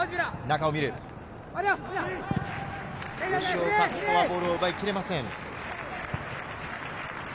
吉岡、ここはボールを奪いきれません。